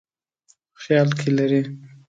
خیال کې لري.